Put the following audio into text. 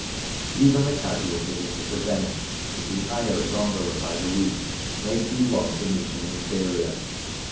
"" Even the casual visitor to Venice, if he hire a gondola by the week, may see one Venetian interior.